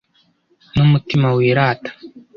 n umutima wirata